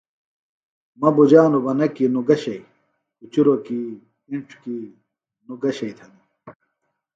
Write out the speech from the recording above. مہ بُجانوۡ بہ نہ کیۡ نوۡ گہ شئیۡ، کُچُروۡ کیۡ، اِنڇ کیۡ، نوۡ گہ شئیۡ تھنیۡ